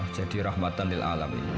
jadi rahmatan lil'alam ini